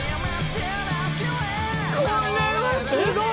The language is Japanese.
これはすごい！